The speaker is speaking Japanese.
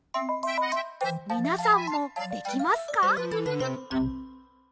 みなさんもできますか？